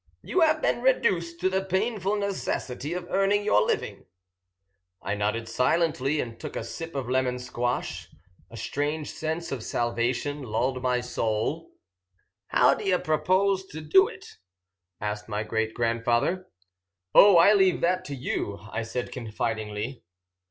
You have been reduced to the painful necessity of earning your living." I nodded silently, and took a sip of lemon squash. A strange sense of salvation lulled my soul. "How do you propose to do it?" asked my great grandfather. "Oh, I leave that to you," I said confidingly.